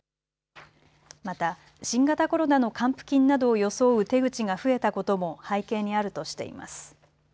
また新型コロナの還付金等を装う手口が増えたことも背景にあるとしています。